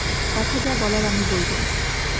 কথা যা বলার আমি বলব।